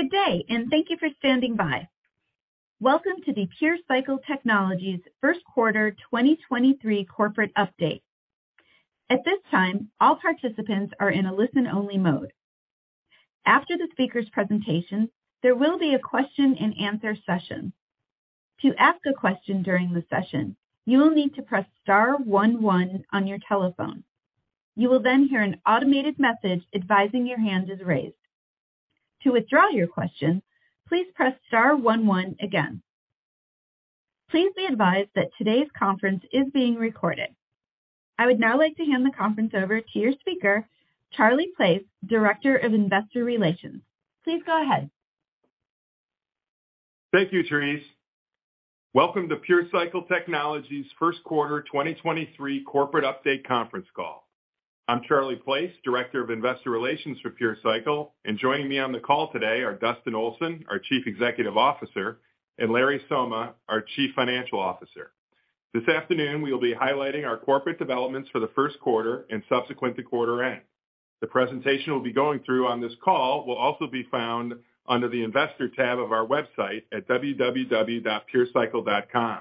Good day. Thank you for standing by. Welcome to the PureCycle Technologies first quarter 2023 corporate update. At this time, all participants are in a listen-only mode. After the speaker's presentation, there will be a question-and-answer session. To ask a question during the session, you will need to press star one one on your telephone. You will hear an automated message advising your hand is raised. To withdraw your question, please press star one one again. Please be advised that today's conference is being recorded. I would now like to hand the conference over to your speaker, Charlie Place, Director of Investor Relations. Please go ahead. Thank you, Therese. Welcome to PureCycle Technologies first quarter 2023 corporate update conference call. I'm Charlie Place, Director of Investor Relations for PureCycle, and joining me on the call today are Dustin Olson, our Chief Executive Officer, and Larry Somma, our Chief Financial Officer. This afternoon we will be highlighting our corporate developments for the first quarter and subsequent to quarter end. The presentation we'll be going through on this call will also be found under the Investor tab of our website at www.purecycle.com.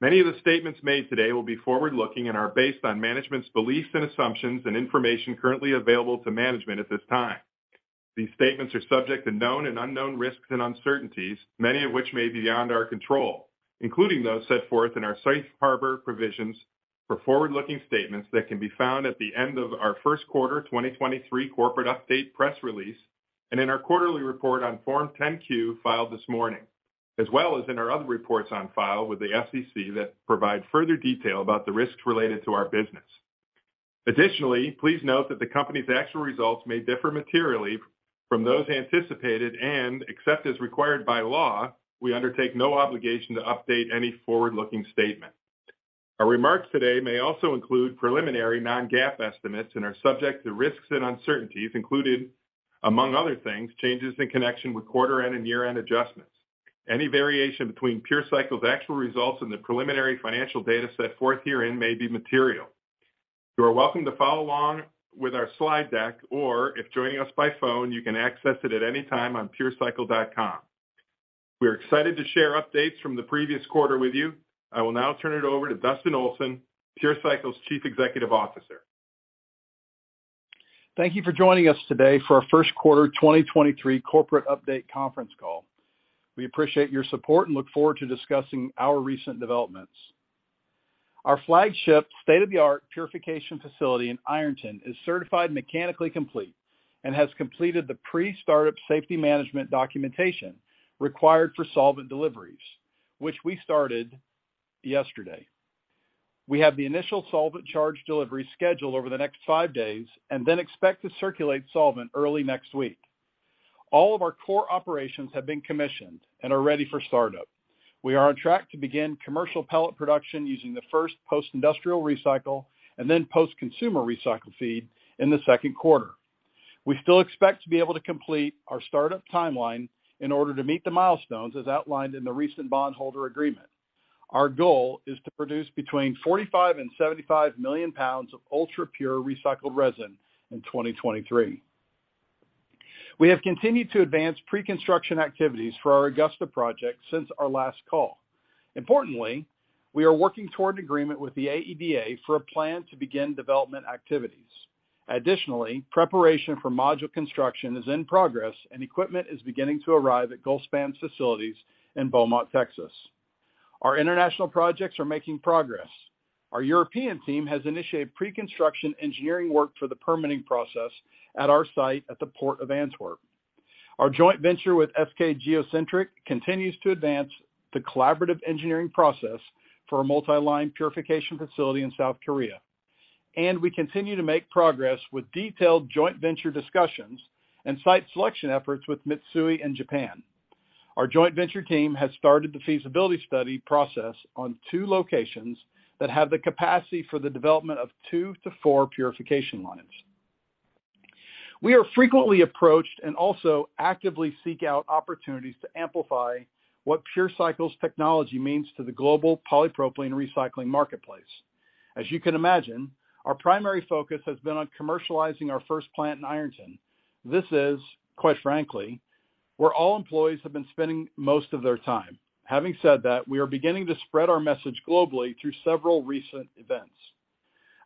Many of the statements made today will be forward-looking and are based on management's beliefs and assumptions and information currently available to management at this time. These statements are subject to known and unknown risks and uncertainties, many of which may be beyond our control, including those set forth in our safe harbor provisions for forward-looking statements that can be found at the end of our first quarter 2023 corporate update press release and in our quarterly report on Form 10-Q filed this morning, as well as in our other reports on file with the SEC that provide further detail about the risks related to our business. Please note that the company's actual results may differ materially from those anticipated, and except as required by law, we undertake no obligation to update any forward-looking statement. Our remarks today may also include preliminary non-GAAP estimates and are subject to risks and uncertainties included, among other things, changes in connection with quarter end and year-end adjustments. Any variation between PureCycle's actual results and the preliminary financial data set forth herein may be material. You are welcome to follow along with our slide deck, or if joining us by phone, you can access it at any time on purecycle.com. We're excited to share updates from the previous quarter with you. I will now turn it over to Dustin Olson, PureCycle's Chief Executive Officer. Thank you for joining us today for our first quarter 2023 corporate update conference call. We appreciate your support and look forward to discussing our recent developments. Our flagship state-of-the-art purification facility in Ironton is certified mechanically complete and has completed the pre-startup safety management documentation required for solvent deliveries, which we started yesterday. We have the initial solvent charge delivery schedule over the next five days and then expect to circulate solvent early next week. All of our core operations have been commissioned and are ready for startup. We are on track to begin commercial pellet production using the first post-industrial recycle and then post-consumer recycle feed in the second quarter. We still expect to be able to complete our startup timeline in order to meet the milestones as outlined in the recent bondholder agreement. Our goal is to produce between 45 million and 75 million pounds of ultra-pure recycled resin in 2023. We have continued to advance pre-construction activities for our Augusta project since our last call. Importantly, we are working toward an agreement with the AEDA for a plan to begin development activities. Additionally, preparation for module construction is in progress, and equipment is beginning to arrive at Gulfspan's facilities in Beaumont, Texas. Our international projects are making progress. Our European team has initiated pre-construction engineering work for the permitting process at our site at the Port of Antwerp. Our joint venture with SK Geo Centric continues to advance the collaborative engineering process for a multi-line purification facility in South Korea. We continue to make progress with detailed joint venture discussions and site selection efforts with Mitsui in Japan. Our joint venture team has started the feasibility study process on two locations that have the capacity for the development of two to four purification lines. We are frequently approached and also actively seek out opportunities to amplify what PureCycle's technology means to the global polypropylene recycling marketplace. As you can imagine, our primary focus has been on commercializing our first plant in Ironton. This is, quite frankly, where all employees have been spending most of their time. Having said that, we are beginning to spread our message globally through several recent events.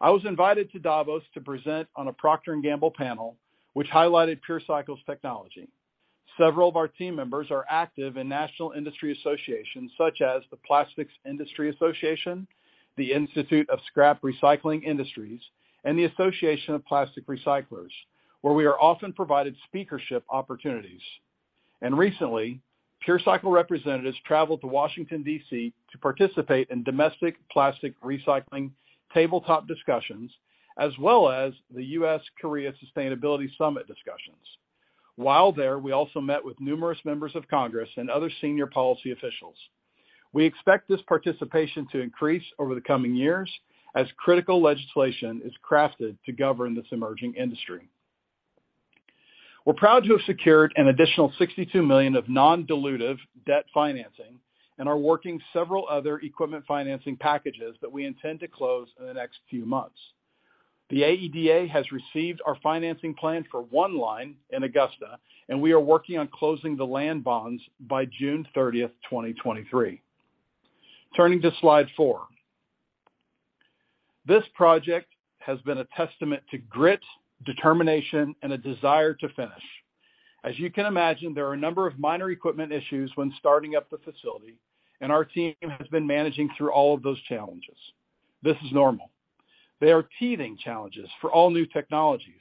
I was invited to Davos to present on a Procter & Gamble panel which highlighted PureCycle's technology. Several of our team members are active in national industry associations such as the Plastics Industry Association, the Institute of Scrap Recycling Industries, and the Association of Plastic Recyclers, where we are often provided speakership opportunities. Recently, PureCycle representatives traveled to Washington, D.C., to participate in domestic plastic recycling tabletop discussions, as well as the U.S.-Korea Sustainability Summit discussions. While there, we also met with numerous members of Congress and other senior policy officials. We expect this participation to increase over the coming years as critical legislation is crafted to govern this emerging industry. We're proud to have secured an additional $62 million of non-dilutive debt financing and are working several other equipment financing packages that we intend to close in the next few months. The AEDA has received our financing plan for one line in Augusta, and we are working on closing the land bonds by June 30th, 2023. Turning to slide four. This project has been a testament to grit, determination, and a desire to finish. As you can imagine, there are a number of minor equipment issues when starting up the facility, and our team has been managing through all of those challenges. This is normal. They are teething challenges for all new technologies.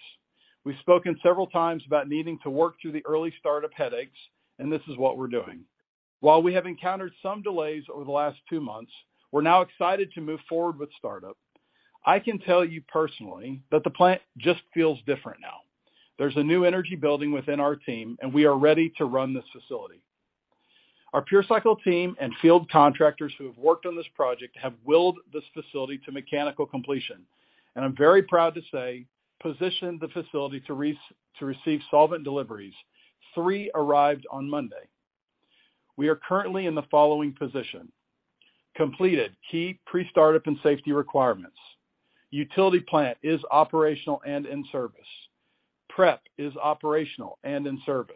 We've spoken several times about needing to work through the early start-up headaches, and this is what we're doing. While we have encountered some delays over the last two months, we're now excited to move forward with start-up. I can tell you personally that the plant just feels different now. There's a new energy building within our team, and we are ready to run this facility. Our PureCycle team and field contractors who have worked on this project have willed this facility to mechanical completion, and I'm very proud to say, positioned the facility to receive solvent deliveries. three arrived on Monday. We are currently in the following position. Completed key pre-start-up and safety requirements. Utility Plant is operational and in service. Prep is operational and in service.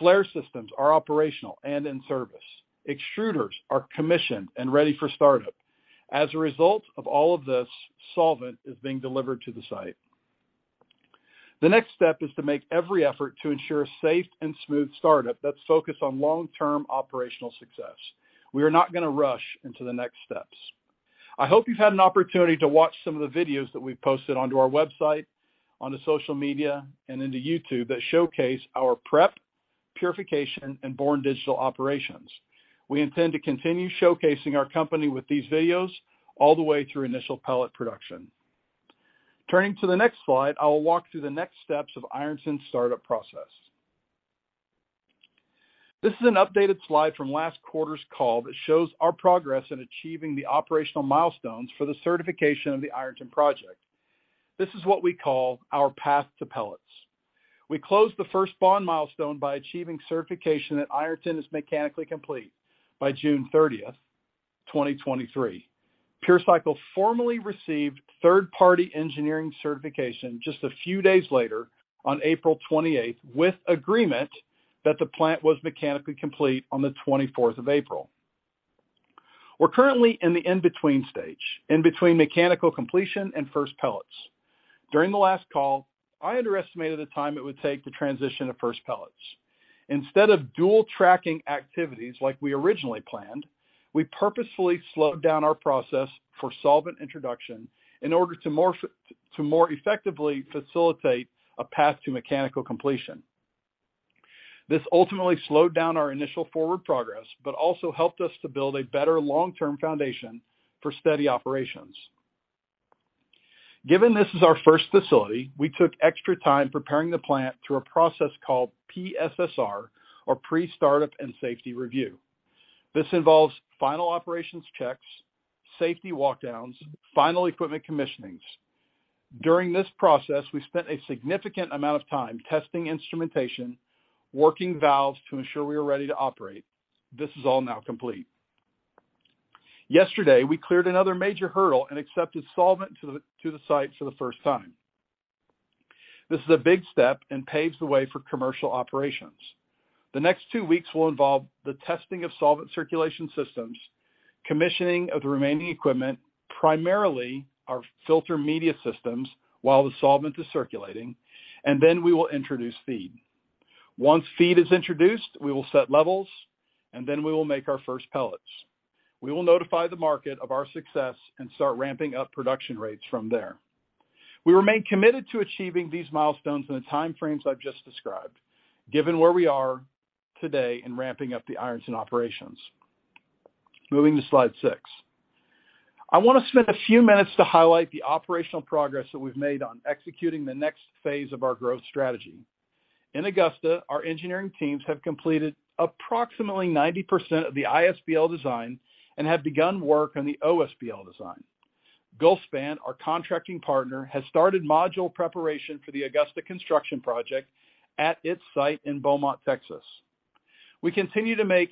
Flare systems are operational and in service. Extruders are commissioned and ready for start-up. As a result of all of this, solvent is being delivered to the site. The next step is to make every effort to ensure a safe and smooth start-up that's focused on long-term operational success. We are not gonna rush into the next steps. I hope you've had an opportunity to watch some of the videos that we've posted onto our website, onto social media, and into YouTube that showcase our prep, purification, and born-digital operations. We intend to continue showcasing our company with these videos all the way through initial pellet production. Turning to the next slide, I will walk through the next steps of Ironton's start-up process. This is an updated slide from last quarter's call that shows our progress in achieving the operational milestones for the certification of the Ironton project. This is what we call our path to pellets. We closed the first bond milestone by achieving certification that Ironton is mechanically complete by June 30, 2023. PureCycle formally received third-party engineering certification just a few days later on April 28 with agreement that the plant was mechanically complete on the 24th of April. We're currently in the in-between stage, in between mechanical completion and first pellets. During the last call, I underestimated the time it would take to transition to first pellets. Instead of dual tracking activities like we originally planned, we purposefully slowed down our process for solvent introduction in order to more effectively facilitate a path to mechanical completion. This ultimately slowed down our initial forward progress, but also helped us to build a better long-term foundation for steady operations. Given this is our first facility, we took extra time preparing the plant through a process called PSSR or Pre-Startup Safety Review. This involves final operations checks, safety walkdowns, final equipment commissionings. During this process, we spent a significant amount of time testing instrumentation, working valves to ensure we are ready to operate. This is all now complete. Yesterday, we cleared another major hurdle and accepted solvent to the site for the first time. This is a big step and paves the way for commercial operations. The next 2 weeks will involve the testing of solvent circulation systems, commissioning of the remaining equipment, primarily our filter media systems, while the solvent is circulating, and then we will introduce feed. Once feed is introduced, we will set levels, then we will make our first pellets. We will notify the market of our success and start ramping up production rates from there. We remain committed to achieving these milestones in the time frames I've just described, given where we are today in ramping up the Ironton operations. Moving to slide six. I wanna spend a few minutes to highlight the operational progress that we've made on executing the next phase of our growth strategy. In Augusta, our engineering teams have completed approximately 90% of the ISBL design and have begun work on the OSBL design. Gulfspan, our contracting partner, has started module preparation for the Augusta construction project at its site in Beaumont, Texas. We continue to make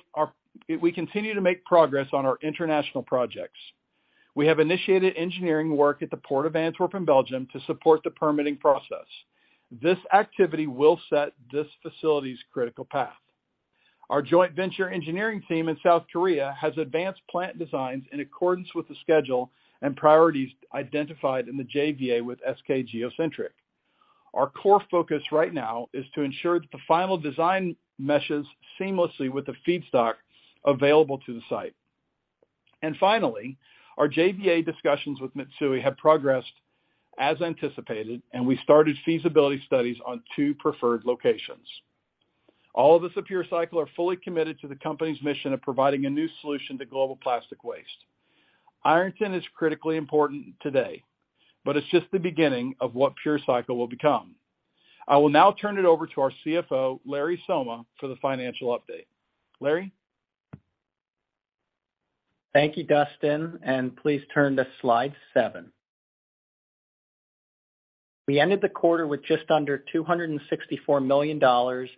progress on our international projects. We have initiated engineering work at the Port of Antwerp in Belgium to support the permitting process. This activity will set this facility's critical path. Our joint venture engineering team in South Korea has advanced plant designs in accordance with the schedule and priorities identified in the JVA with SK geo centric. Our core focus right now is to ensure that the final design meshes seamlessly with the feedstock available to the site. Finally, our JVA discussions with Mitsui have progressed as anticipated, and we started feasibility studies on two preferred locations. All of us at PureCycle are fully committed to the company's mission of providing a new solution to global plastic waste. Ironton is critically important today, but it's just the beginning of what PureCycle will become. I will now turn it over to our CFO, Larry Somma, for the financial update. Larry? Thank you, Dustin, and please turn to slide seven We ended the quarter with just under $264 million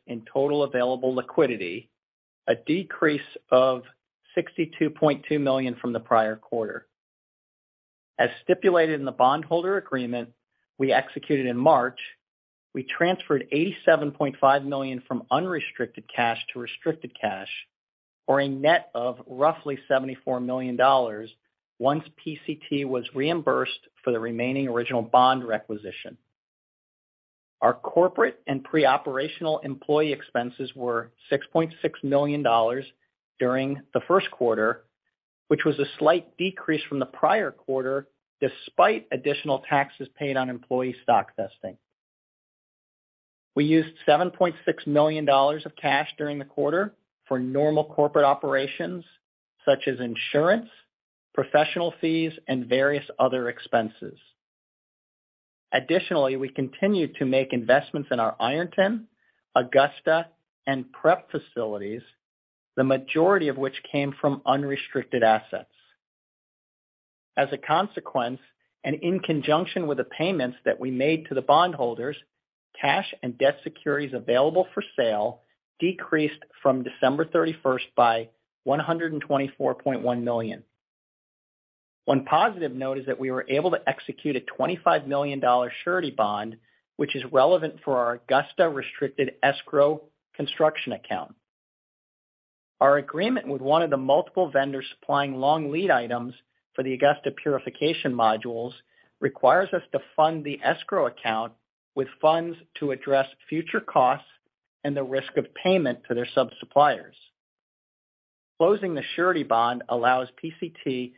in total available liquidity, a decrease of $62.2 million from the prior quarter. As stipulated in the bondholder agreement we executed in March, we transferred $87.5 million from unrestricted cash to restricted cash or a net of roughly $74 million once PCT was reimbursed for the remaining original bond requisition. Our corporate and pre-operational employee expenses were $6.6 million during the first quarter, which was a slight decrease from the prior quarter, despite additional taxes paid on employee stock vesting. We used $7.6 million of cash during the quarter for normal corporate operations such as insurance, professional fees, and various other expenses. Additionally, we continued to make investments in our Ironton, Augusta, and prep facilities, the majority of which came from unrestricted assets. As a consequence, and in conjunction with the payments that we made to the bondholders, cash and debt securities available for sale decreased from December 31st by $124.1 million. One positive note is that we were able to execute a $25 million surety bond, which is relevant for our Augusta restricted escrow construction account. Our agreement with one of the multiple vendors supplying long lead items for the Augusta purification modules requires us to fund the escrow account with funds to address future costs and the risk of payment to their sub-suppliers. Closing the surety bond allows PCT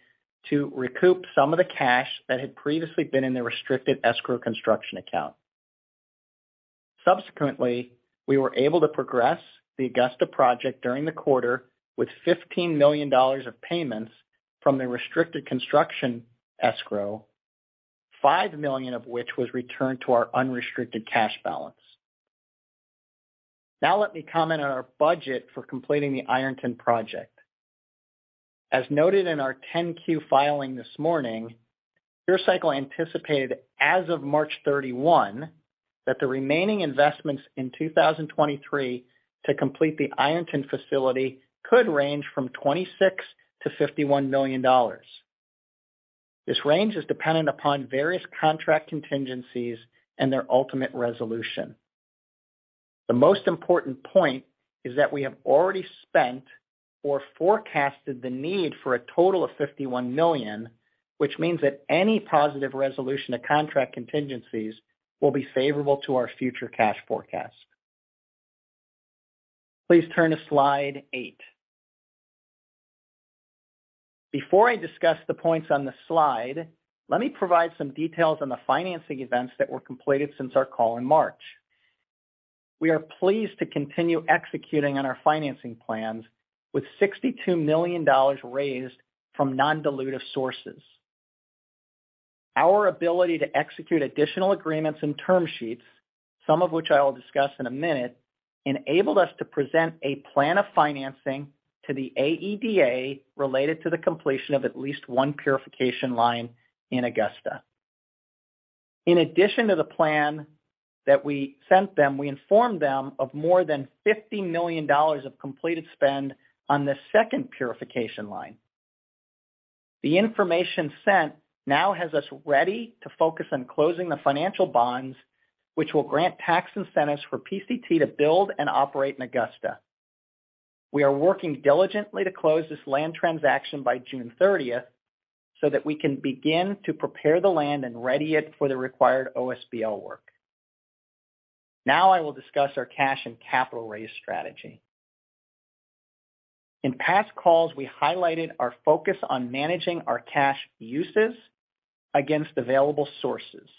to recoup some of the cash that had previously been in the restricted escrow construction account. Subsequently, we were able to progress the Augusta project during the quarter with $15 million of payments from the restricted construction escrow, $5 million of which was returned to our unrestricted cash balance. Now let me comment on our budget for completing the Ironton project. As noted in our 10-Q filing this morning, PureCycle anticipated as of March 31 that the remaining investments in 2023 to complete the Ironton facility could range from $26 million-$51 million. This range is dependent upon various contract contingencies and their ultimate resolution. The most important point is that we have already spent or forecasted the need for a total of $51 million, which means that any positive resolution to contract contingencies will be favorable to our future cash forecast. Please turn to slide 8. Before I discuss the points on the slide, let me provide some details on the financing events that were completed since our call in March. We are pleased to continue executing on our financing plans with $62 million raised from non-dilutive sources. Our ability to execute additional agreements and term sheets, some of which I will discuss in a minute, enabled us to present a plan of financing to the AEDA related to the completion of at least one purification line in Augusta. In addition to the plan that we sent them, we informed them of more than $50 million of completed spend on the second purification line. The information sent now has us ready to focus on closing the financial bonds which will grant tax incentives for PCT to build and operate in Augusta. We are working diligently to close this land transaction by June 30th so that we can begin to prepare the land and ready it for the required OSBL work. Now I will discuss our cash and capital raise strategy. In past calls, we highlighted our focus on managing our cash uses against available sources.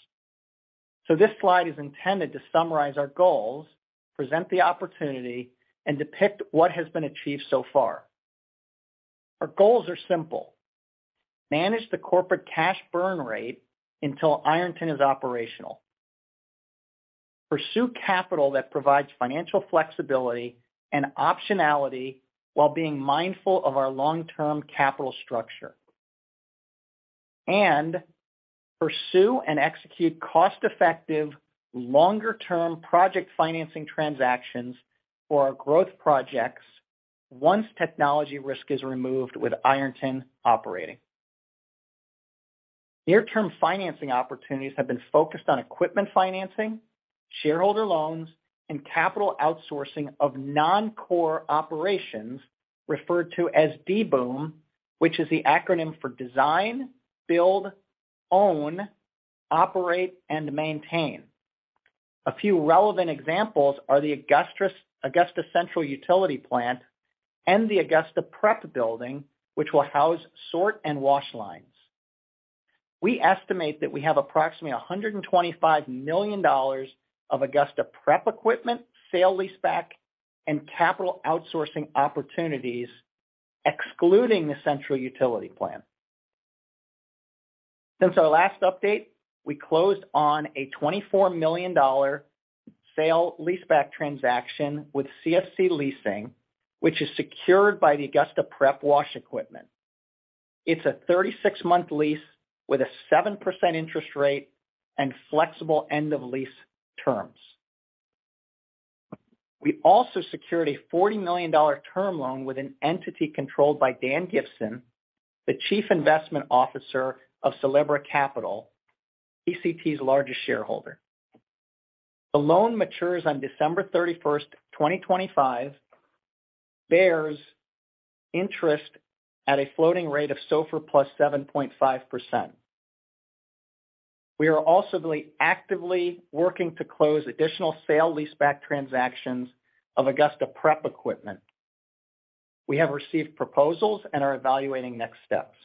This slide is intended to summarize our goals, present the opportunity, and depict what has been achieved so far. Our goals are simple. Manage the corporate cash burn rate until Ironton is operational. Pursue capital that provides financial flexibility and optionality while being mindful of our long-term capital structure. Pursue and execute cost-effective, longer-term project financing transactions for our growth projects once technology risk is removed with Ironton operating. Near-term financing opportunities have been focused on equipment financing, shareholder loans, and capital outsourcing of non-core operations referred to as DBOOM, which is the acronym for Design, Build, Own, Operate and Maintain. A few relevant examples are the Augusta Central Utility Plant and the Augusta Prep building, which will house sort and wash lines. We estimate that we have approximately $125 million of Augusta Prep equipment, sale-leaseback, and capital outsourcing opportunities, excluding the Central Utility Plant. Since our last update, we closed on a $24 million sale leaseback transaction with CFC Leasing, which is secured by the Augusta Prep wash equipment. It's a 36-month lease with a 7% interest rate and flexible end of lease terms. We also secured a $40 million term loan with an entity controlled by Dan Gibson, the Chief Investment Officer of Sylebra Capital, PCT's largest shareholder. The loan matures on December 31st, 2025, bears interest at a floating rate of SOFR+ 7.5%. We are also actively working to close additional sale leaseback transactions of Augusta prep equipment. We have received proposals and are evaluating next steps.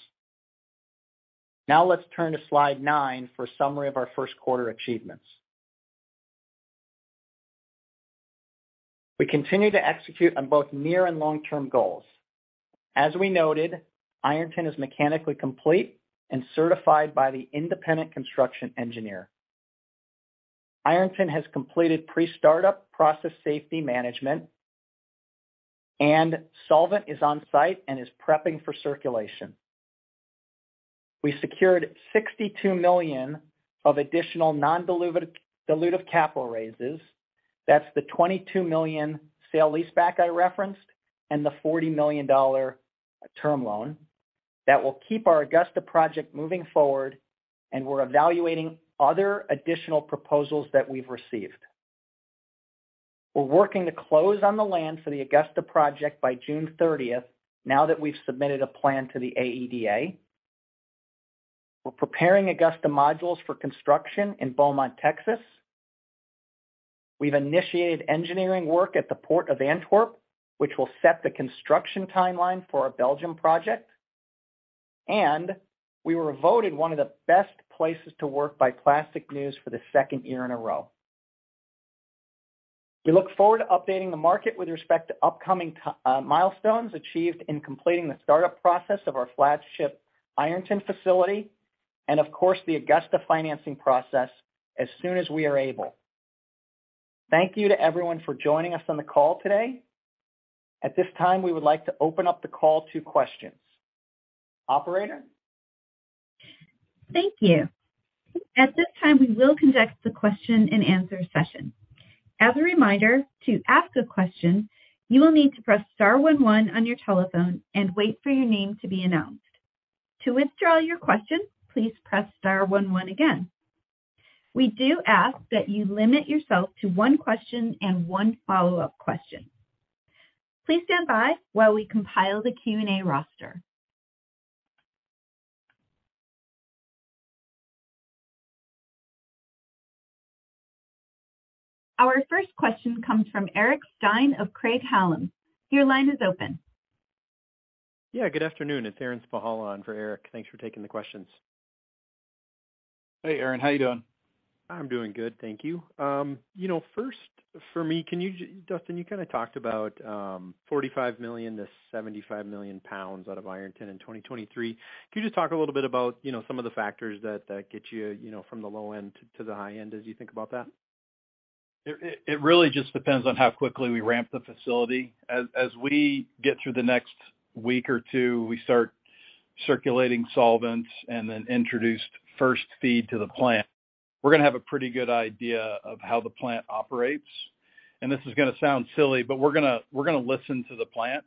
Let's turn to slide 9 for a summary of our first quarter achievements. We continue to execute on both near and long-term goals. As we noted, Ironton is mechanically complete and certified by the independent construction engineer. Ironton has completed Pre-Startup Safety Management, and solvent is on site and is prepping for circulation. We secured $62 million of additional non-diluted, dilutive capital raises. That's the $22 million sale leaseback I referenced and the $40 million term loan that will keep our Augusta project moving forward. We're evaluating other additional proposals that we've received. We're working to close on the land for the Augusta project by June 30th now that we've submitted a plan to the AEDA. We're preparing Augusta modules for construction in Beaumont, Texas. We've initiated engineering work at the Port of Antwerp, which will set the construction timeline for our Belgium project, and we were voted one of the best places to work by Plastics News for the second year in a row. We look forward to updating the market with respect to upcoming milestones achieved in completing the startup process of our flagship Ironton facility, and of course, the Augusta financing process as soon as we are able. Thank you to everyone for joining us on the call today. At this time, we would like to open up the call to questions. Operator? Thank you. At this time, we will conduct the question-and-answer session. As a reminder, to ask a question, you will need to press star one one on your telephone and wait for your name to be announced. To withdraw your question, please press star one one again. We do ask that you limit yourself to one question and one follow-up question. Please stand by while we compile the Q&A roster. Our first question comes from Eric Stine of Craig-Hallum. Your line is open. Good afternoon. It's Aaron Spychalla on for Eric Stine. Thanks for taking the questions. Hey, Aaron. How you doing? I'm doing good. Thank you. You know, first for me, can you Dustin, you kind of talked about, 45 million-75 million pounds out of Ironton in 2023. Can you just talk a little bit about, you know, some of the factors that get you know, from the low end to the high end as you think about that? It really just depends on how quickly we ramp the facility. As we get through the next week or two, we start circulating solvents and then introduce first feed to the plant. We're gonna have a pretty good idea of how the plant operates. This is gonna sound silly, but we're gonna listen to the plant.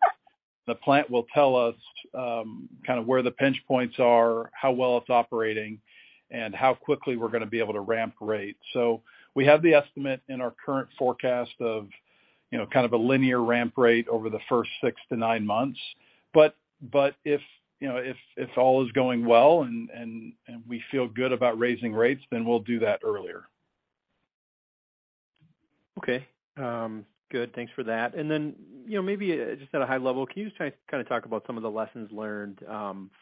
The plant will tell us, kind of where the pinch points are, how well it's operating, and how quickly we're gonna be able to ramp rates. We have the estimate in our current forecast of, you know, kind of a linear ramp rate over the first six to nine months. If, you know, if all is going well and we feel good about raising rates, then we'll do that earlier. Okay. Good. Thanks for that. You know, maybe just at a high level, can you just kind of talk about some of the lessons learned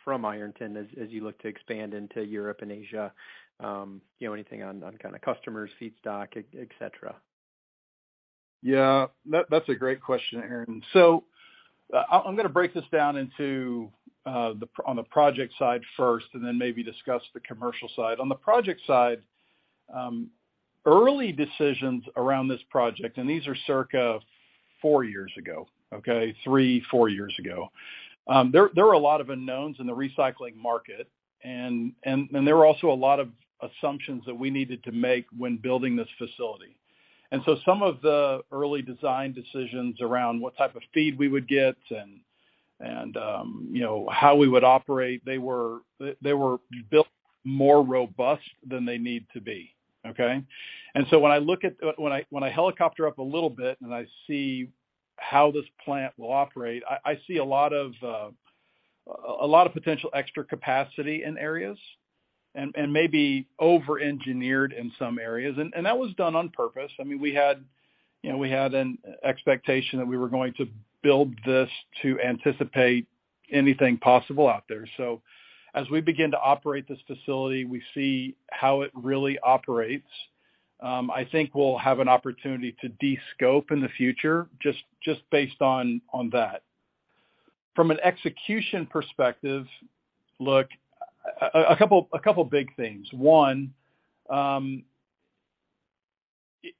from Ironton as you look to expand into Europe and Asia? You know, anything on kind of customers, feedstock, et cetera? That's a great question, Aaron. I'm gonna break this down into on the project side first and then maybe discuss the commercial side. On the project side, early decisions around this project, and these are circa 4 years ago, okay? 3, 4 years ago. There were a lot of unknowns in the recycling market and there were also a lot of assumptions that we needed to make when building this facility. Some of the early design decisions around what type of feed we would get and, you know, how we would operate, they were built more robust than they need to be. Okay. When I helicopter up a little bit and I see how this plant will operate, I see a lot of potential extra capacity in areas and maybe over-engineered in some areas. That was done on purpose. I mean, we had, you know, we had an expectation that we were going to build this to anticipate anything possible out there. As we begin to operate this facility, we see how it really operates. I think we'll have an opportunity to descope in the future just based on that. From an execution perspective look, a couple big things. One.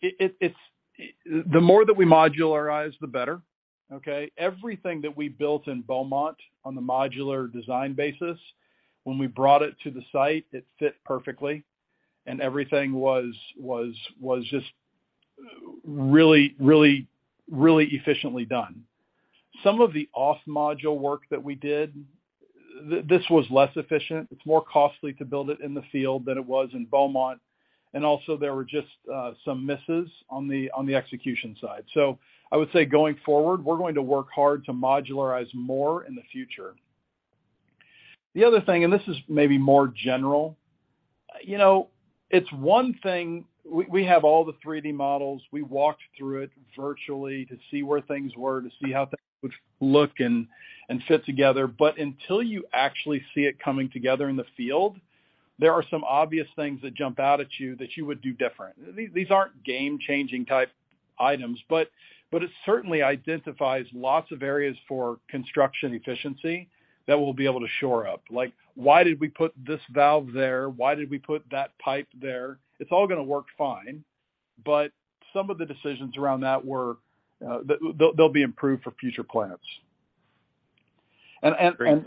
It's the more that we modularize, the better, okay? Everything that we built in Beaumont on the modular design basis, when we brought it to the site, it fit perfectly, and everything was just really efficiently done. Some of the off-module work that we did, this was less efficient. It's more costly to build it in the field than it was in Beaumont, and also there were just some misses on the, on the execution side. I would say going forward, we're going to work hard to modularize more in the future. The other thing, and this is maybe more general, you know, We have all the 3D models, we walked through it virtually to see where things were, to see how things would look and fit together. Until you actually see it coming together in the field, there are some obvious things that jump out at you that you would do different. These aren't game-changing type items, but it certainly identifies lots of areas for construction efficiency that we'll be able to shore up. Like, why did we put this valve there? Why did we put that pipe there? It's all gonna work fine, but some of the decisions around that were. They'll be improved for future plants. Great.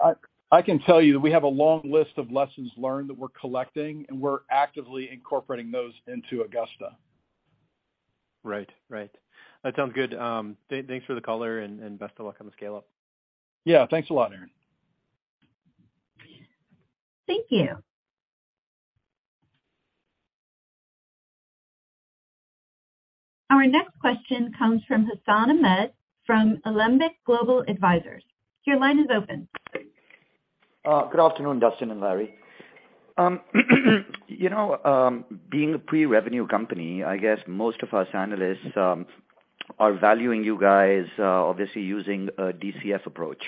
I can tell you that we have a long list of lessons learned that we're collecting, and we're actively incorporating those into Augusta. Right. Right. That sounds good. thanks for the color and best of luck on the scale up. Yeah. Thanks a lot, Aaron. Thank you. Our next question comes from Hassan Ahmed from Alembic Global Advisors. Your line is open. Good afternoon, Dustin and Larry. You know, being a pre-revenue company, I guess most of us analysts are valuing you guys obviously using a DCF approach.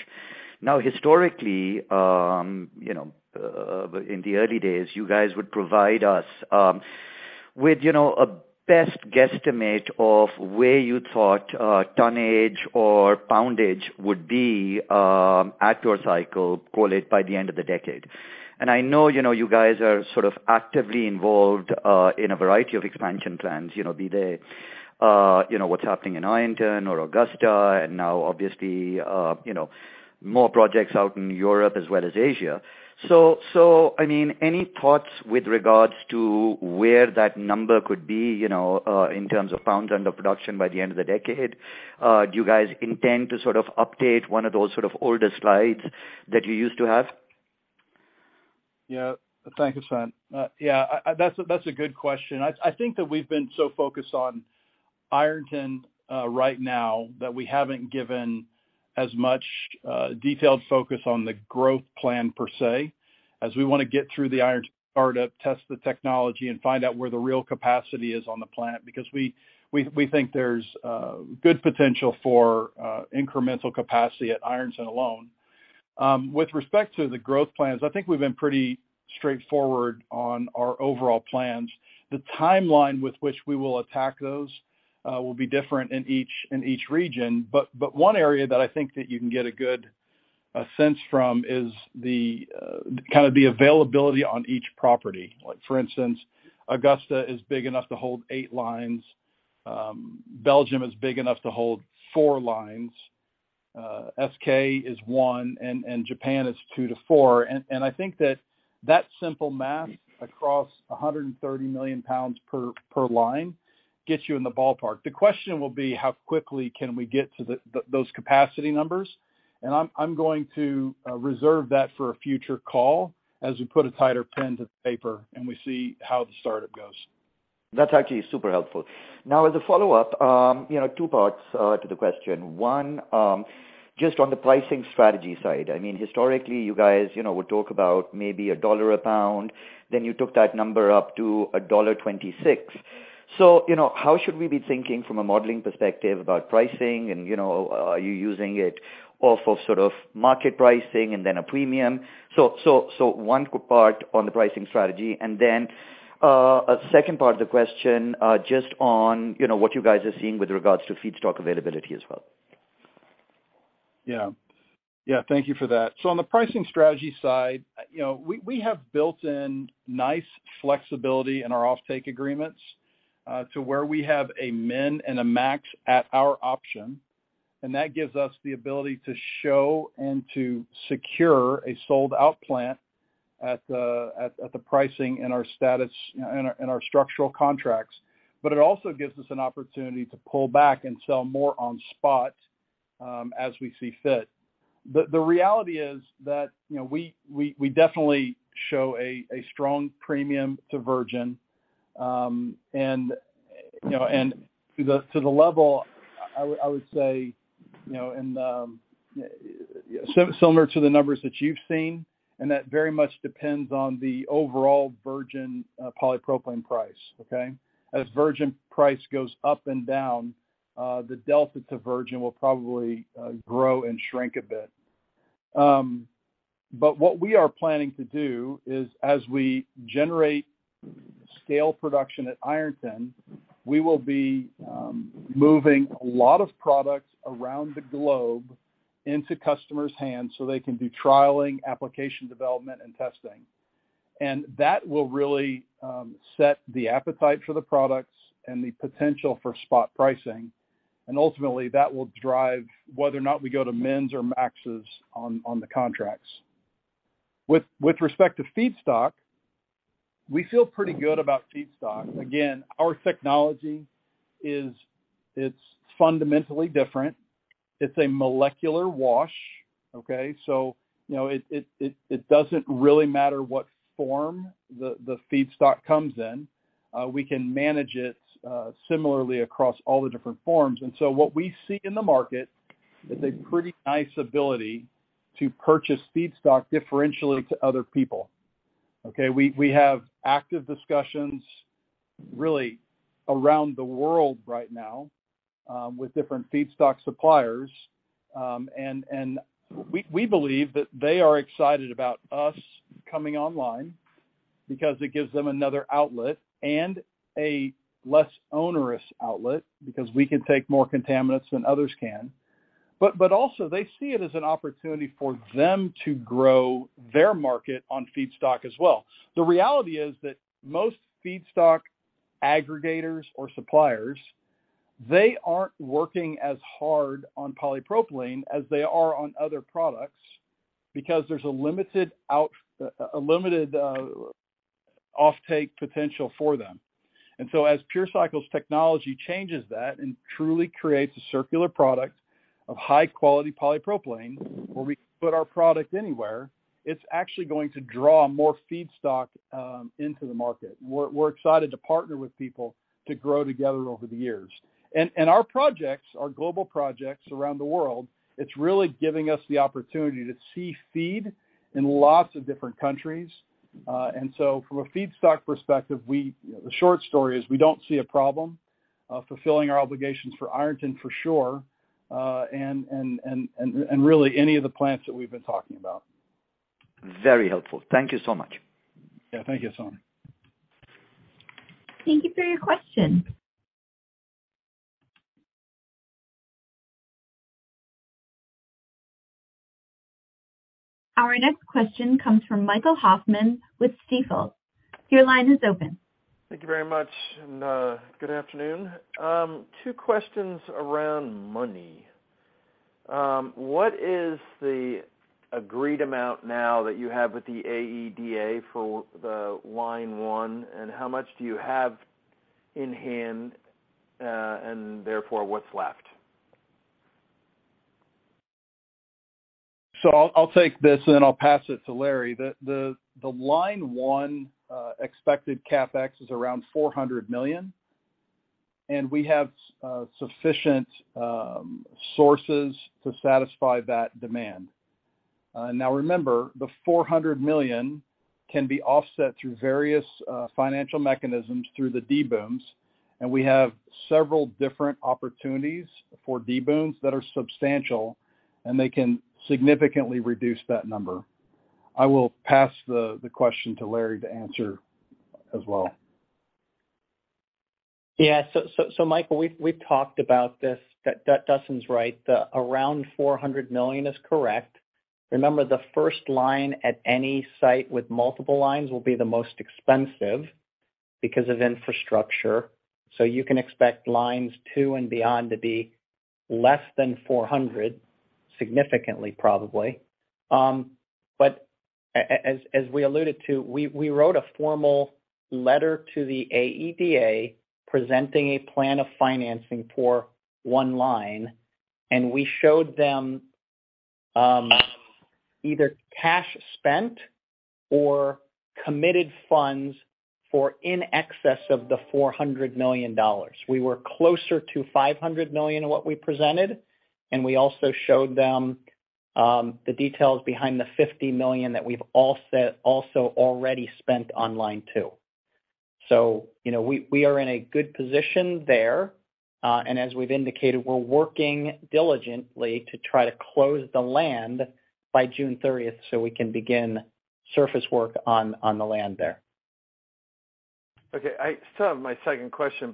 Now, historically, you know, in the early days, you guys would provide us with, you know, a best guesstimate of where you thought tonnage or poundage would be at your cycle, call it, by the end of the decade. I know, you know, you guys are sort of actively involved in a variety of expansion plans, you know, be they, you know, what's happening in Ironton or Augusta, and now obviously, you know, more projects out in Europe as well as Asia. I mean, any thoughts with regards to where that number could be, you know, in terms of pounds under production by the end of the decade? Do you guys intend to sort of update one of those sort of older slides that you used to have? Yeah. Thank you, Hassan. Yeah, that's a good question. I think that we've been so focused on Ironton right now that we haven't given as much detailed focus on the growth plan per se, as we wanna get through the Ironton startup, test the technology, and find out where the real capacity is on the planet because we think there's good potential for incremental capacity at Ironton alone. With respect to the growth plans, I think we've been pretty straightforward on our overall plans. The timeline with which we will attack those will be different in each region. One area that I think that you can get a good sense from is the kind of the availability on each property. Like for instance, Augusta is big enough to hold eight lines. Belgium is big enough to hold four lines. SK is one, Japan is two to four. I think that that simple math across 130 million pounds per line gets you in the ballpark. The question will be how quickly can we get to those capacity numbers? I'm going to reserve that for a future call as we put a tighter pen to paper and we see how the startup goes. That's actually super helpful. As a follow-up, you know, two parts to the question. One, just on the pricing strategy side. I mean, historically, you guys, you know, would talk about maybe $1 a pound, then you took that number up to $1.26. You know, how should we be thinking from a modeling perspective about pricing and, you know, are you using it off of sort of market pricing and then a premium? One part on the pricing strategy, and then, a second part of the question, just on, you know, what you guys are seeing with regards to feedstock availability as well. Yeah. Yeah, thank you for that. On the pricing strategy side, you know, we have built in nice flexibility in our offtake agreements, to where we have a min and a max at our option, and that gives us the ability to show and to secure a sold-out plant at the pricing in our structural contracts. It also gives us an opportunity to pull back and sell more on spot, as we see fit. The reality is that, you know, we definitely show a strong premium to virgin, and, you know, and to the level I would say, you know, similar to the numbers that you've seen, and that very much depends on the overall virgin polypropylene price, okay? As virgin price goes up and down, the delta to virgin will probably grow and shrink a bit. What we are planning to do is, as we generate scale production at Ironton, we will be moving a lot of products around the globe into customers' hands so they can do trialing, application development, and testing. That will really set the appetite for the products and the potential for spot pricing. Ultimately, that will drive whether or not we go to mins or maxes on the contracts. With respect to feedstock, we feel pretty good about feedstock. Again, our technology is. It's fundamentally different. It's a molecular wash, okay? You know, it doesn't really matter what form the feedstock comes in. We can manage it similarly across all the different forms. What we see in the market is a pretty nice ability to purchase feedstock differentially to other people, okay. We have active discussions really around the world right now with different feedstock suppliers. We believe that they are excited about us coming online because it gives them another outlet and a less onerous outlet because we can take more contaminants than others can. Also they see it as an opportunity for them to grow their market on feedstock as well. The reality is that most feedstock aggregators or suppliers, they aren't working as hard on polypropylene as they are on other products because there's a limited offtake potential for them. As PureCycle's technology changes that and truly creates a circular product of high-quality polypropylene, where we can put our product anywhere, it's actually going to draw more feedstock into the market. We're excited to partner with people to grow together over the years. Our projects are global projects around the world. It's really giving us the opportunity to see feed in lots of different countries. From a feedstock perspective, the short story is we don't see a problem fulfilling our obligations for Ironton for sure, and really any of the plants that we've been talking about. Very helpful. Thank you so much. Yeah, thank you, San. Thank you for your question. Our next question comes from Michael Hoffman with Stifel. Your line is open. Thank you very much, and good afternoon. 2 questions around money. What is the agreed amount now that you have with the AEDA for the line 1, and how much do you have in hand, and therefore what's left? I'll take this, and then I'll pass it to Larry. The line one expected CapEx is around $400 million, and we have sufficient sources to satisfy that demand. Remember, the $400 million can be offset through various financial mechanisms through the debentures, and we have several different opportunities for debentures that are substantial, and they can significantly reduce that number. I will pass the question to Larry to answer as well. So Michael Hoffman, we've talked about this. Dustin Olson's right. The around $400 million is correct. Remember, the first line at any site with multiple lines will be the most expensive because of infrastructure. You can expect lines 2 and beyond to be less than $400, significantly probably. But as we alluded to, we wrote a formal letter to the AEDA presenting a plan of financing for one line, and we showed them either cash spent or committed funds for in excess of the $400 million. We were closer to $500 million in what we presented, and we also showed them the details behind the $50 million that we've also already spent on line 2. you know, we are in a good position there, and as we've indicated, we're working diligently to try to close the land by June 30th so we can begin surface work on the land there. Okay. I still have my second question,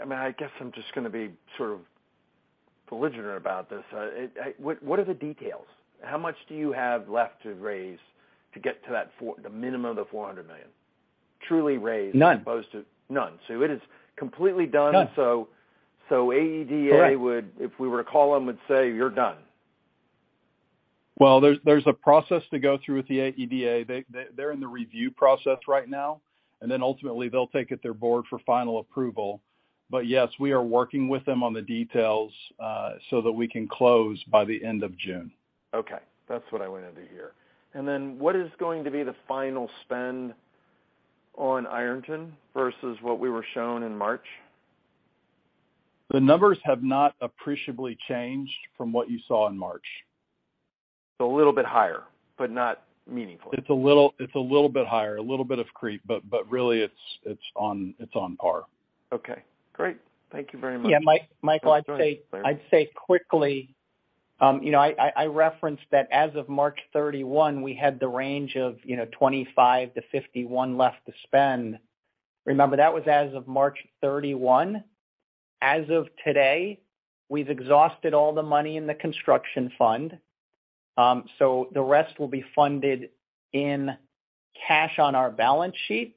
I mean, I guess I'm just gonna be sort of belligerent about this. What are the details? How much do you have left to raise to get to that the minimum of the $400 million truly raised? None. as opposed to. None. It is completely done. None. AEDA- Correct. would, if we were to call them, would say, "You're done. Well, there's a process to go through with the AEDA. They're in the review process right now, and then ultimately they'll take it to their board for final approval. Yes, we are working with them on the details, so that we can close by the end of June. Okay. That's what I wanted to hear. Then what is going to be the final spend on Ironton versus what we were shown in March? The numbers have not appreciably changed from what you saw in March. A little bit higher, but not meaningfully. It's a little bit higher, a little bit of creep, but really it's on par. Okay, great. Thank you very much. Michael, I'd say quickly, you know, I referenced that as of March 31, we had the range of, you know, $25 million-$51 million left to spend. Remember, that was as of March 31. As of today, we've exhausted all the money in the construction fund. The rest will be funded in cash on our balance sheet.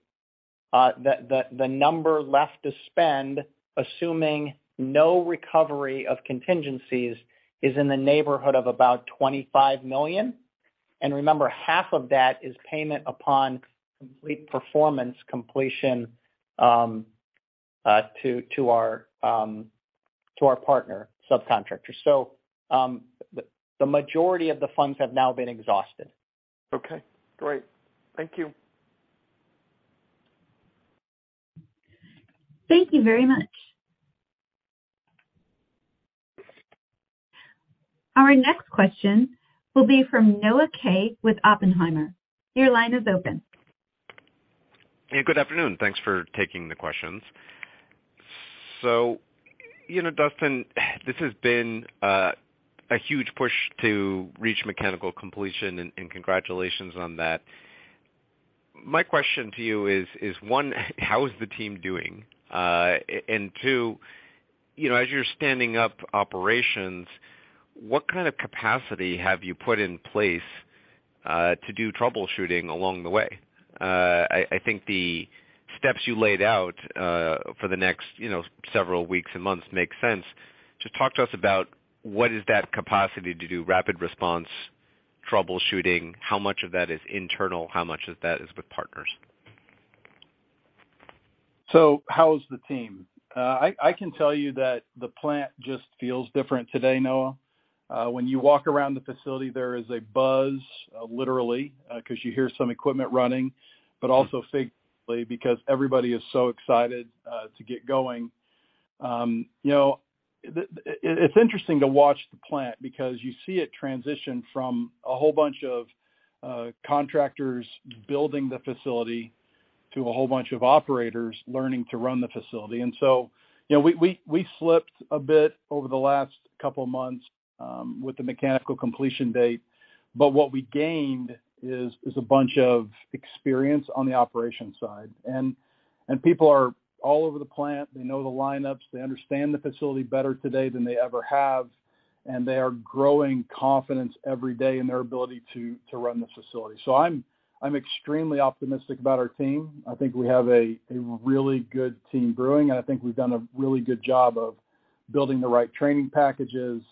The number left to spend, assuming no recovery of contingencies, is in the neighborhood of about $25 million. Remember, half of that is payment upon complete performance completion to our partner subcontractor. The majority of the funds have now been exhausted. Okay, great. Thank you. Thank you very much. Our next question will be from Noah Kaye with Oppenheimer. Your line is open. Hey, good afternoon. Thanks for taking the questions. You know, Dustin, this has been a huge push to reach mechanical completion, and congratulations on that. My question to you is one, how is the team doing? Two, you know, as you're standing up operations, what kind of capacity have you put in place to do troubleshooting along the way? I think the steps you laid out for the next, you know, several weeks and months make sense. Just talk to us about what is that capacity to do rapid response troubleshooting? How much of that is internal? How much of that is with partners? How is the team? I can tell you that the plant just feels different today, Noah. When you walk around the facility, there is a buzz, literally, 'cause you hear some equipment running, but also figuratively because everybody is so excited to get going. You know, it's interesting to watch the plant because you see it transition from a whole bunch of contractors building the facility to a whole bunch of operators learning to run the facility. You know, we slipped a bit over the last couple of months with the mechanical completion date. What we gained is a bunch of experience on the operations side. People are all over the plant. They know the lineups, they understand the facility better today than they ever have, and they are growing confidence every day in their ability to run the facility. I'm extremely optimistic about our team. I think we have a really good team brewing, and I think we've done a really good job of building the right training packages,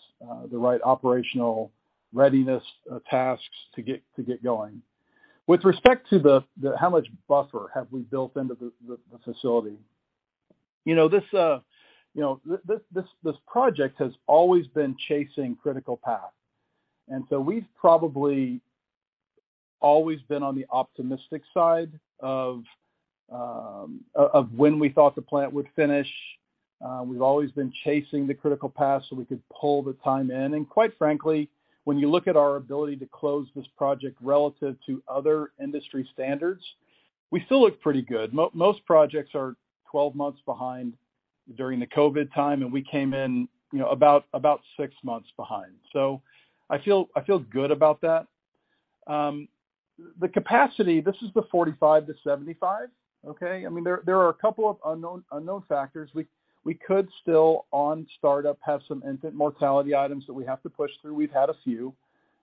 the right operational readiness tasks to get going. With respect to the how much buffer have we built into the facility. You know, this, you know, this project has always been chasing critical path. We've probably always been on the optimistic side of when we thought the plant would finish. We've always been chasing the critical path so we could pull the time in. Quite frankly, when you look at our ability to close this project relative to other industry standards, we still look pretty good. Most projects are 12 months behind during the COVID time, and we came in, you know, about six months behind. I feel good about that. The capacity, this is the 45-75, okay. I mean, there are a couple of unknown factors. We could still on startup have some infant mortality items that we have to push through. We've had a few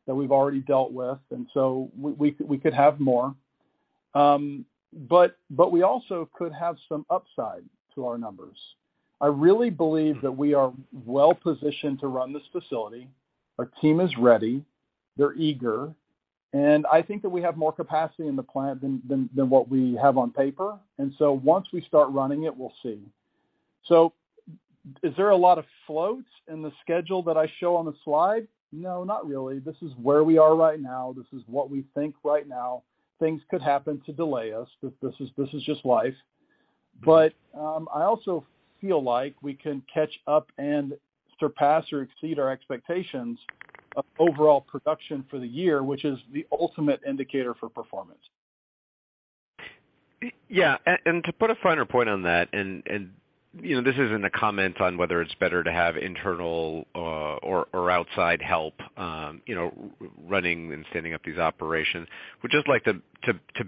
that we've already dealt with, so we could have more. We also could have some upside to our numbers. I really believe that we are well-positioned to run this facility. Our team is ready, they're eager, and I think that we have more capacity in the plant than what we have on paper. Once we start running it, we'll see. Is there a lot of floats in the schedule that I show on the slide? No, not really. This is where we are right now. This is what we think right now. Things could happen to delay us. This is just life. I also feel like we can catch up and surpass or exceed our expectations of overall production for the year, which is the ultimate indicator for performance. Yeah. To put a finer point on that and, you know, this isn't a comment on whether it's better to have internal or outside help, you know, running and standing up these operations. Would just like to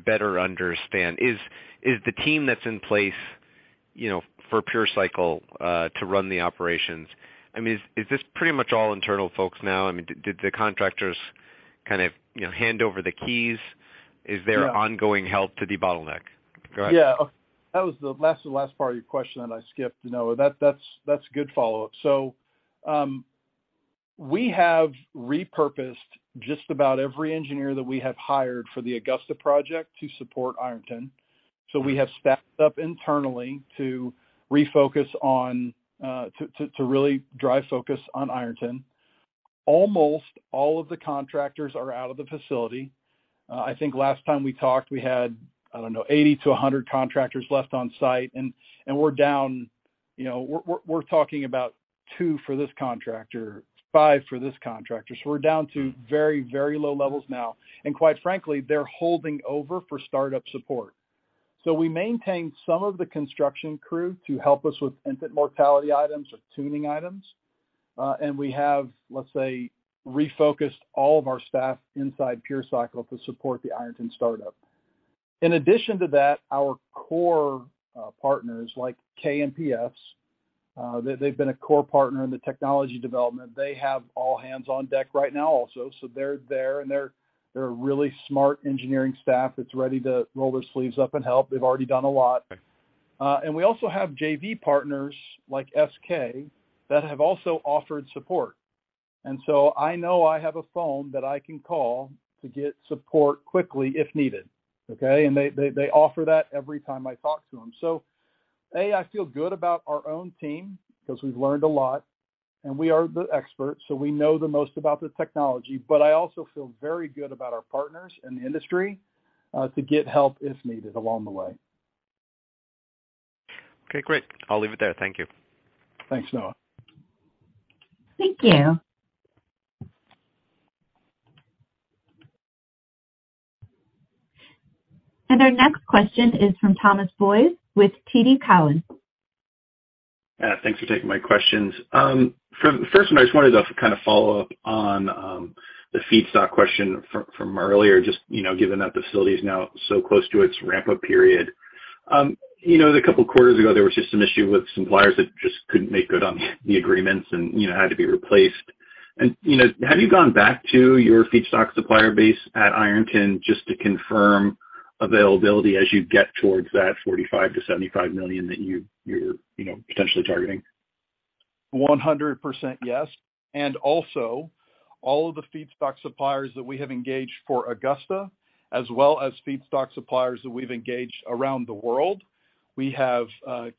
better understand, is the team that's in place, you know, for PureCycle to run the operations? I mean, is this pretty much all internal folks now? I mean, did the contractors kind of, you know, hand over the keys? Yeah. Is there ongoing help to debottleneck? Go ahead. Yeah. That was the last part of your question that I skipped. No, that's a good follow-up. We have repurposed just about every engineer that we have hired for the Augusta project to support Ironton. We have stepped up internally to refocus to really drive focus on Ironton. Almost all of the contractors are out of the facility. I think last time we talked, we had, I don't know, 80 to 100 contractors left on site. We're down, you know, we're talking about 2 for this contractor, 5 for this contractor. We're down to very low levels now. Quite frankly, they're holding over for startup support. We maintain some of the construction crew to help us with infant mortality items or tuning items. We have, let's say, refocused all of our staff inside PureCycle to support the Ironton startup. In addition to that, our core partners like KNPS, they've been a core partner in the technology development. They have all hands on deck right now also. They're there, and they're a really smart engineering staff that's ready to roll their sleeves up and help. They've already done a lot. We also have JV partners like SK that have also offered support. I know I have a phone that I can call to get support quickly if needed, okay? They offer that every time I talk to them. A, I feel good about our own team because we've learned a lot, and we are the experts, so we know the most about the technology. I also feel very good about our partners in the industry, to get help if needed along the way. Okay, great. I'll leave it there. Thank you. Thanks, Noah. Thank you. Our next question is from Thomas Boyes with TD Cowen. Thanks for taking my questions. First one, I just wanted to kind of follow up on the feedstock question from earlier, just, you know, given that the facility is now so close to its ramp-up period. You know, a couple quarters ago, there was just some issue with suppliers that just couldn't make good on the agreements and, you know, had to be replaced. You know, have you gone back to your feedstock supplier base at Ironton just to confirm availability as you get towards that $45 million-$75 million that you're, you know, potentially targeting? 100% yes. Also all of the feedstock suppliers that we have engaged for Augusta as well as feedstock suppliers that we've engaged around the world, we have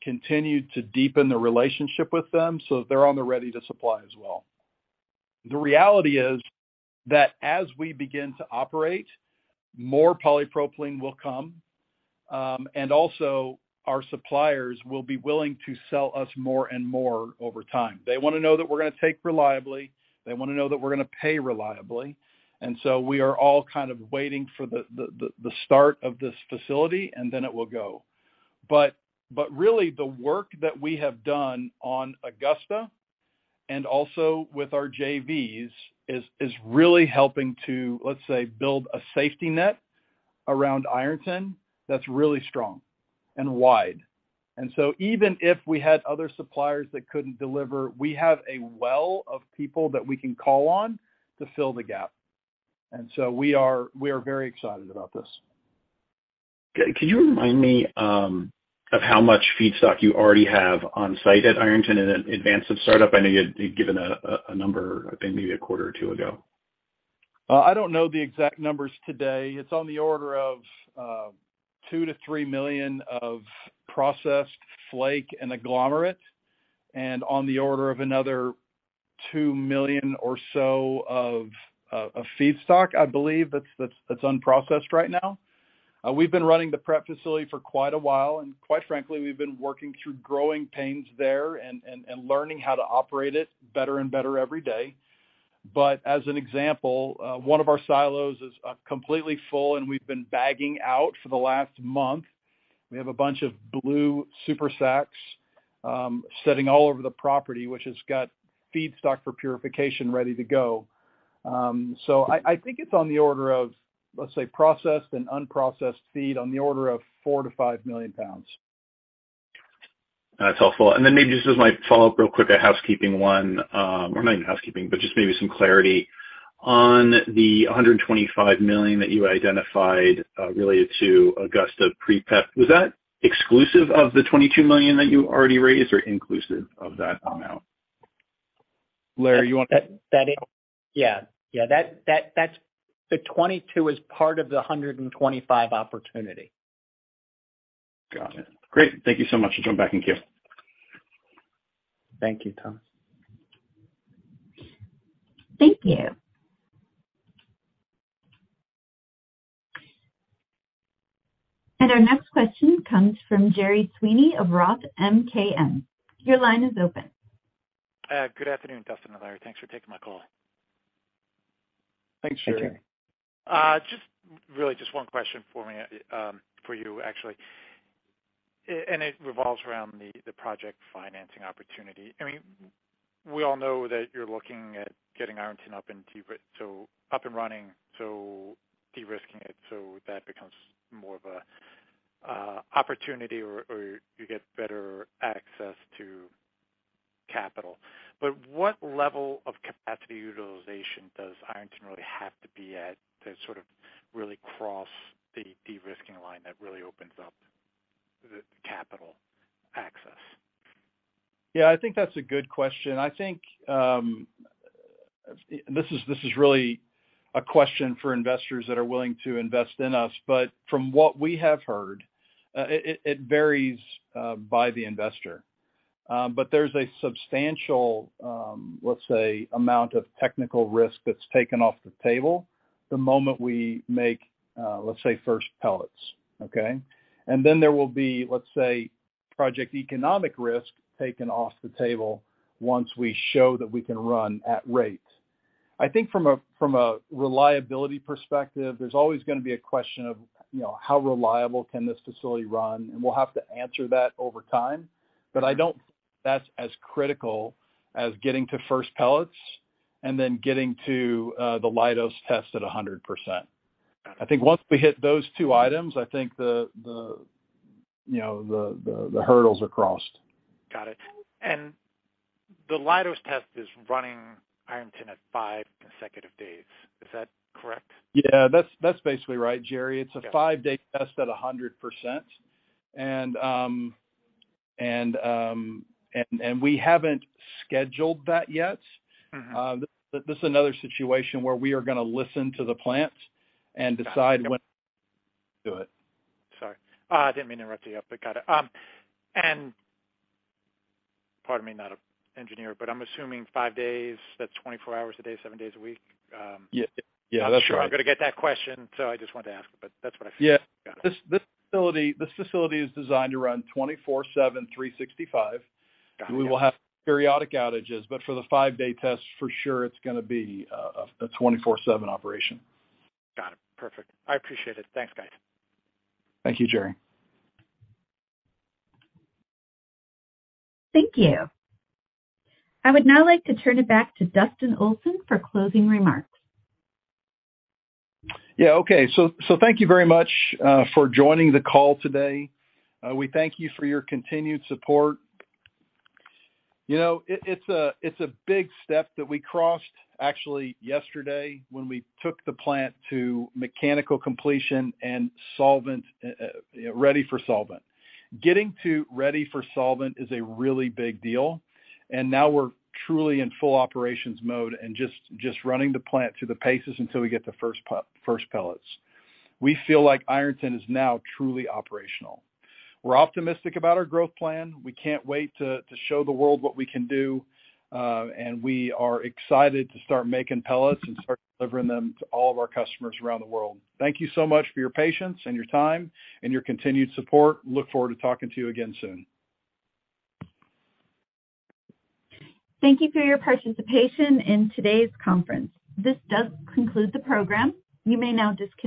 continued to deepen the relationship with them, so they're on the ready to supply as well. The reality is that as we begin to operate, more polypropylene will come, and also our suppliers will be willing to sell us more and more over time. They want to know that we're going to take reliably. They want to know that we're going to pay reliably. So we are all kind of waiting for the start of this facility, and then it will go. Really the work that we have done on Augusta and also with our JVs is really helping to, let's say, build a safety net around Ironton that's really strong and wide. Even if we had other suppliers that couldn't deliver, we have a well of people that we can call on to fill the gap. We are very excited about this. Can you remind me of how much feedstock you already have on site at Ironton in advance of startup? I know you'd given a number, I think maybe a quarter or 2 ago. I don't know the exact numbers today. It's on the order of 2 million-3 million of processed flake and agglomerate and on the order of another 2 million or so of feedstock, I believe that's unprocessed right now. We've been running the prep facility for quite a while, and quite frankly, we've been working through growing pains there and learning how to operate it better and better every day. As an example, one of our silos is completely full, and we've been bagging out for the last month. We have a bunch of blue super sacks sitting all over the property, which has got feedstock for purification ready to go. I think it's on the order of, let's say, processed and unprocessed feed on the order of 4 million-5 million pounds. That's helpful. Maybe just as my follow-up real quick, a housekeeping one, or not even housekeeping, but just maybe some clarity. On the $125 million that you identified related to Augusta pre-PEP, was that exclusive of the $22 million that you already raised or inclusive of that amount? Larry, you want to- That. Yeah, that's the 22 is part of the 125 opportunity. Got it. Great. Thank you so much for jumping back in queue. Thank you, Thomas. Thank you. Our next question comes from Gerry Sweeney of ROTH MKM. Your line is open. Good afternoon, Dustin and Larry. Thanks for taking my call. Thanks, Gerry. Thank you. just, really just one question for me, for you actually, and it revolves around the project financing opportunity. I mean, we all know that you're looking at getting Ironton up and so up and running, so de-risking it so that becomes more of a, opportunity or you get better access to capital. What level of capacity utilization does Ironton really have to be at to sort of really cross the de-risking line that really opens up the capital access? Yeah, I think that's a good question. I think, this is really a question for investors that are willing to invest in us. From what we have heard, it varies by the investor. There's a substantial, let's say, amount of technical risk that's taken off the table the moment we make, let's say, first pellets, okay? There will be, let's say, project economic risk taken off the table once we show that we can run at rate. I think from a, from a reliability perspective, there's always gonna be a question of, you know, how reliable can this facility run? We'll have to answer that over time. I don't think that's as critical as getting to first pellets. Getting to the Leidos test at 100%. I think once we hit those two items, I think the, you know, the hurdles are crossed. Got it. The Leidos test is running Ironton at five consecutive days. Is that correct? Yeah, that's basically right, Gerry. Okay. It's a five-day test at 100%. We haven't scheduled that yet. Mm-hmm. This is another situation where we are gonna listen to the plant and decide when to do it. Sorry. Didn't mean to interrupt you, but got it. Pardon me, not an engineer, but I'm assuming 5 days, that's 24 hours a day, 7 days a week. Yeah. Yeah, that's right. I'm sure I'm gonna get that question, so I just wanted to ask. That's what I figured. Yeah. Got it. This facility is designed to run 24/7, 365. Got it. We will have periodic outages, but for the 5-day test, for sure it's gonna be a 24/7 operation. Got it. Perfect. I appreciate it. Thanks, guys. Thank you, Gerry. Thank you. I would now like to turn it back to Dustin Olson for closing remarks. Yeah. Okay. Thank you very much for joining the call today. We thank you for your continued support. You know, it's a big step that we crossed actually yesterday when we took the plant to mechanical completion and solvent, you know, ready for solvent. Getting to ready for solvent is a really big deal, and now we're truly in full operations mode and just running the plant through the paces until we get the first pellets. We feel like Ironton is now truly operational. We're optimistic about our growth plan. We can't wait to show the world what we can do. We are excited to start making pellets and start delivering them to all of our customers around the world. Thank you so much for your patience and your time and your continued support. Look forward to talking to you again soon. Thank you for your participation in today's conference. This does conclude the program. You may now disconnect.